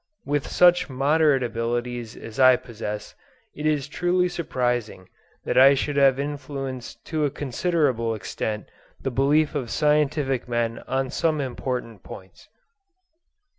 With such moderate abilities as I possess, it is truly surprising that I should have influenced to a considerable extent the belief of scientific men on some important points.